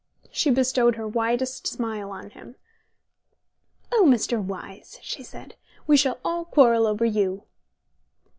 She bestowed her widest smile on him. "Oh, Mr. Wyse," she said. "We shall all quarrel over you."